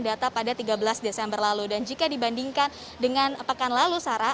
dan jika di bandingkan dengan pekan lalu sarah